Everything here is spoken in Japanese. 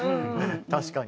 確かに。